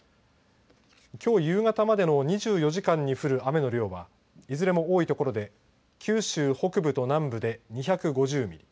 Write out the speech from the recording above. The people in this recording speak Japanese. きょう夕方までの２４時間に降る雨の量はいずれも多い所で九州北部と南部で２５０ミリ